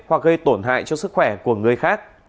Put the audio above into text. hoặc gây tổn hại cho sức khỏe của người khác